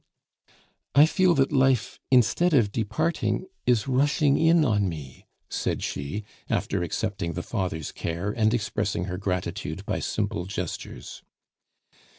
"I feel that life, instead of departing, is rushing in on me," said she, after accepting the Father's care and expressing her gratitude by simple gestures.